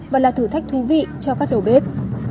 và là thử thách thú vị cho các đầu bếp